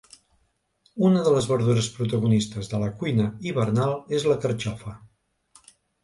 Una de les verdures protagonistes de la cuina hivernal és la carxofa.